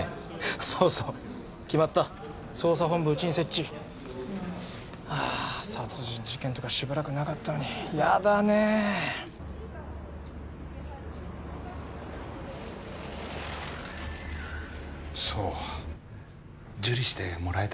そうそう決まった捜査本部うちに設置あ殺人事件とかしばらくなかったのに嫌だねそう受理してもらえた？